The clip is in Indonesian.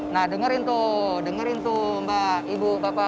nah dengerin tuh dengerin tuh mbak ibu bapak